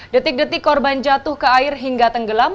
detik detik korban jatuh ke air hingga tenggelam